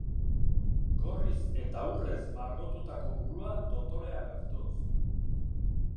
Gorriz eta urrez margotutako burua dotore agertuz.